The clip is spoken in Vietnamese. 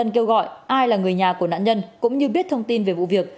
kêu gọi ai là người nhà của nạn nhân cũng như biết thông tin về vụ việc